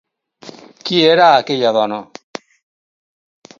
Qui era aquella dona?